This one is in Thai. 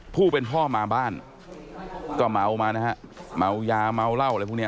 ผู้เป็นพ่อมาบ้านก็เมามานะฮะเมายาเมาเหล้าอะไรพวกนี้